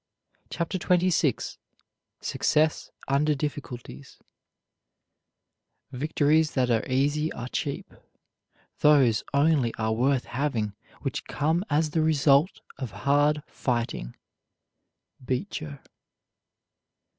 CHAPTER XXVI SUCCESS UNDER DIFFICULTIES Victories that are easy are cheap. Those only are worth having which come as the result of hard fighting. BEECHER.